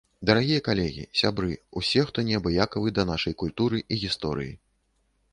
Дарагія калегі, сябры, усе, хто не абыякавы да нашай культуры і гісторыі!